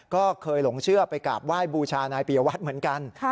ก็เคยหลงเชื่อไปกราบไหว้บูชานายปียวัตรเหมือนกัน